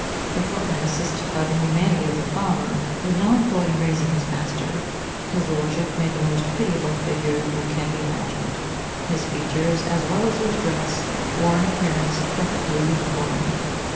The footman, assisted by the humanity of the farmer, was now employed in raising his master. His lordship made the most pitiable figure that can be imagined. His features, as well as his dress, wore an appearance perfectly uniform.